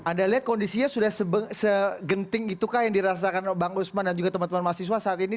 anda lihat kondisinya sudah segenting gitukah yang dirasakan bang usman dan juga teman teman mahasiswa saat ini